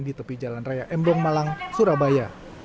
di tepi jalan raya embong malang surabaya